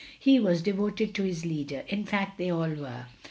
He was ' devoted to his leader, in fact they all were.